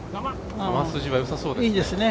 球筋は良さそうですね。